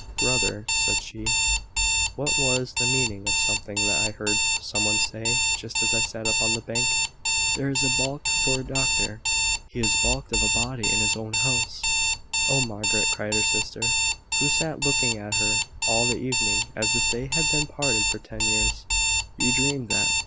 "Brother," said she, "what was the meaning of something that I heard some one say, just as I sat up on the bank? `There's a baulk for the doctor! He is baulked of a body in his own house.'" "Oh, Margaret," cried her sister, who sat looking at her all the evening as if they had been parted for ten years, "you dreamed that.